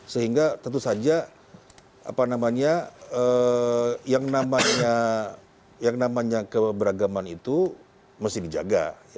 sehingga tentu saja yang namanya keberagaman itu mesti dijaga